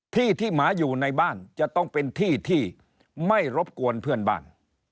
ที่ที่หมาอยู่ในบ้านจะต้องเป็นที่ที่ไม่รบกวนเพื่อนบ้าน